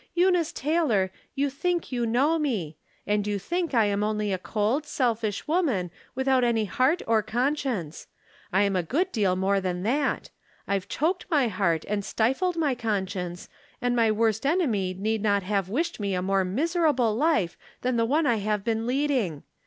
Eu nice Taylor, you think you know me ; and you tkink I am only a cold, selfish woman, without any heart or conscience. I'm a good deal more than that ; I've choked my heart, and stifled my conscience, and my worst enemy need not have wished me a more miserable life than the one I have been leading.